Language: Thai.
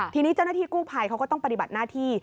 ทีนี้เจ้าหน้าที่กู้ภัยเขาก็ต้องปฏิบัติหน้าที่